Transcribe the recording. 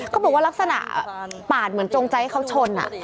เขาบอกว่าลักษณะปาดเหมือนจงใจให้เขาชน